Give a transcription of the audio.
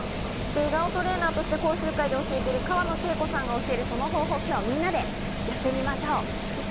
笑顔トレーナーとして講習会で教えている川野恵子さんが教える、その方法をみんなでやってみましょう！